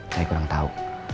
saya kurang tau